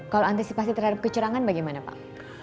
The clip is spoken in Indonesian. kalau antisipasi terhadap kecurangan bagaimana pak